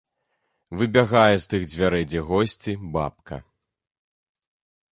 Выбягае з тых дзвярэй, дзе госці, бабка.